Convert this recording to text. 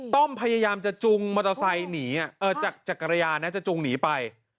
ต้อมพยายามจะจุงมอเตอร์ไซค์หนีจากจักรยานนะจะจุงหนีไป